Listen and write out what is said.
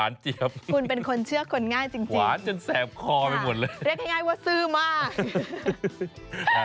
เรียกง่ายว่าซื้อมาก